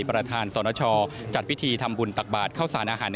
ประธานสนชจัดพิธีทำบุญตักบาทเข้าสารอาหาร